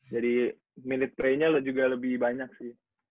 jadi minute playnya lu juga lebih banyak sih